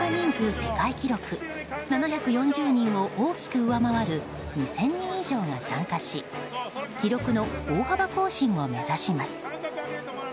世界記録７４０人を大きく上回る２０００人以上が参加し記録の大幅更新を目指します。